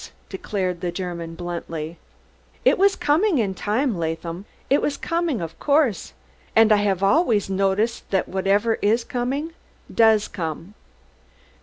_" declared the German bluntly. "Id vas coming in dime, Laadham, id vas coming, of course Und I haf always noticed dat whatever iss coming does come."